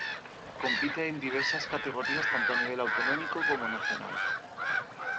Compite en diversas categorías tanto a nivel autonómico como nacional.